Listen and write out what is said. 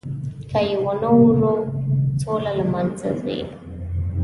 که یې ونه اورو، سوله له منځه ځي.